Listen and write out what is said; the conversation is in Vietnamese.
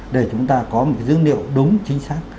để chúng ta có một dữ liệu đúng chính xác